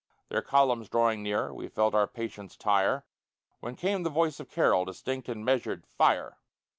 Their columns drawing nearer, We felt our patience tire, When came the voice of Carroll, Distinct and measured, "Fire!"